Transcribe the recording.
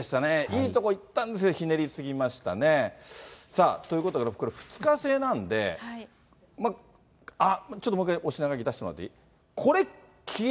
いいとこいったんですが、ひねりさあ、ということで、これ２日制なんで、あっ、ちょっともう一回お品書き出してもらっていい？